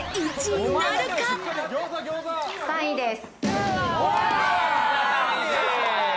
３位です。